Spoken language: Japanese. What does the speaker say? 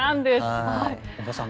織田さん